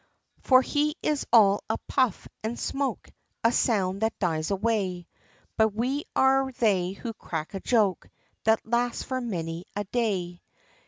For he is all a puff, and smoke, A sound that dies away; But we are they who crack a joke, That lasts for many a day.